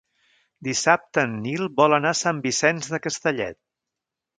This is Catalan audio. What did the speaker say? Dissabte en Nil vol anar a Sant Vicenç de Castellet.